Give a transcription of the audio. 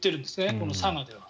この佐賀では。